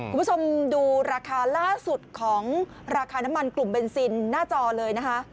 คุณผู้ชมดูราคาล่าสุดของราคาน้ำมันกลุ่มเบนซินหน้าจอเลยนะคะ